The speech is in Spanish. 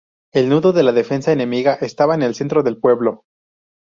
El nudo de la defensa enemiga estaba en el centro del pueblo.